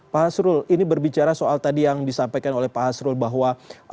pak hasrul ini berbicara soal tadi yang disampaikan oleh pak hasrul bahwa